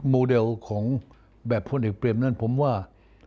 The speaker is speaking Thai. โมเดลของแบบพลเอกเปรมนั้นผมว่า